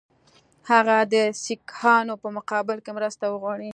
هغه د سیکهانو په مقابل کې مرسته وغواړي.